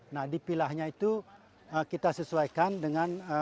nah dipilahnya itu kita sesuaikan dengan